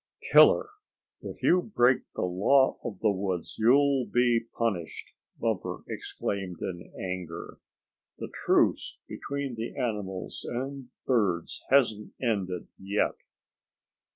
"Killer, if you break the law of the woods you'll be punished," Bumper exclaimed in anger. "The truce between the animals and birds hasn't ended yet."